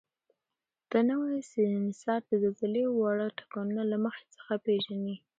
دا نوی سینسر د زلزلې واړه ټکانونه له مخکې څخه پېژني.